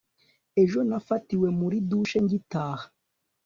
ejo nafatiwe muri douche ngitaha